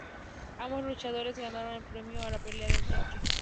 Ambos luchadores ganaron el premio a la "Pelea de la Noche".